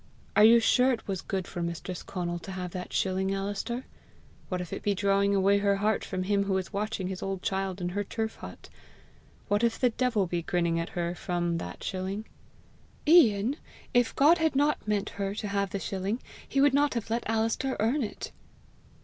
Are you sure it was good for mistress Conal to have that shilling, Alister? What if it be drawing away her heart from him who is watching his old child in her turf hut? What if the devil be grinning at her from, that shilling?" "Ian! if God had not meant her to have the shilling, he would not have let Alister earn it."